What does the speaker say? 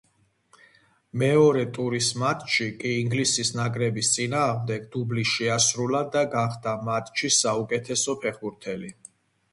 მეორე ტურის მატჩში კი ინგლისის ნაკრების წინააღმდეგ დუბლი შეასრულა და გახდა მატჩის საუკეთესო ფეხბურთელი.